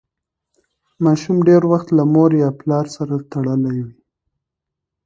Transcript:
ماشوم ډېر وخت له مور یا پلار سره تړلی وي.